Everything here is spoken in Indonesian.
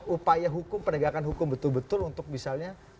upaya hukum penegakan hukum betul betul untuk misalnya